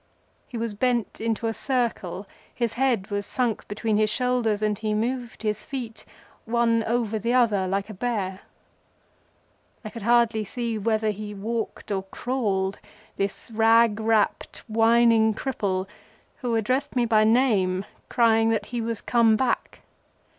He was bent into a circle, his head was sunk between his shoulders, and he moved his feet one over the other like a bear. I could hardly see whether he walked or crawled—this rag wrapped, whining cripple who addressed me by name, crying that he was come back.